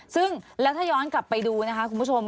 ซึ่งแล้วถ้าย้อนกลับไปดูนะคะคุณผู้ชม